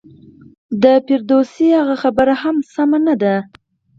د فردوسي هغه خبره هم سمه نه ده.